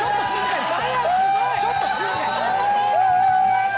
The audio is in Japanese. ちょっと静かにして。